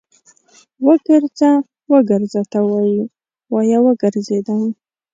وګرځه، وګرځه ته وايې، وايه وګرځېدم